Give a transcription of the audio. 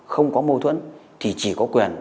không có mâu thuẫn thì chỉ có quyền